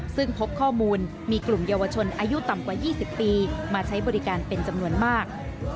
ซึ่งพบข้อมูลมีกลุ่มเยาวชนอายุต่ำกว่า๒๐ปีมาใช้บริการเป็นจำนวนมาก